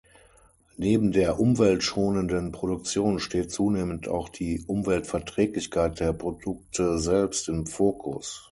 Neben der umweltschonenden Produktion steht zunehmend auch die Umweltverträglichkeit der Produkte selbst im Fokus.